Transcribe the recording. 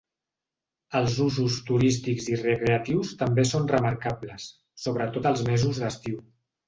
Els usos turístics i recreatius també són remarcables, sobretot els mesos d'estiu.